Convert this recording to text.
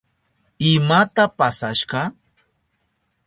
¿Imata pasashka?